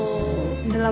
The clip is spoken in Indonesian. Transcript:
nah aje ngeditin lah